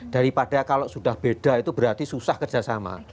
daripada kalau sudah beda itu berarti susah kerjasama